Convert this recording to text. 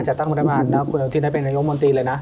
จัดตั้งรัฐบาลนะคุณอนุทินได้เป็นนายกมนตรีเลยนะ